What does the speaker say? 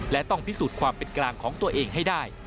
และต้องพิสูจน์ความเป็นกลางของตัวเองให้ได้